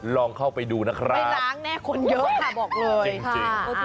ลองเข้าไปดูนะครับไม่ล้างแน่คนเยอะค่ะบอกเลยจริง